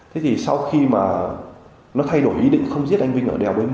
thế thì sau khi mà nó thay đổi ý định không giết anh vinh ở đèo b bốn mươi